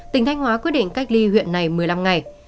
tỉnh thanh hóa quyết định cách ly huyện này một mươi năm ngày